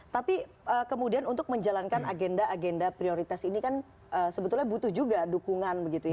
tapi kemudian untuk menjalankan agenda agenda prioritas ini kan sebetulnya butuh juga dukungan begitu ya